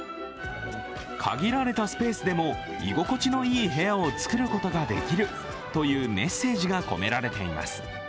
限られたスペースでも居心地のいい部屋をつくることができるというメッセージが込められています。